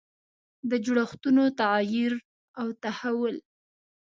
د جوړښتونو تغییر او تحول.